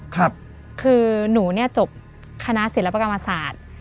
คือหนูเนี่ยจบคณะศิลปกรรมศาสตร์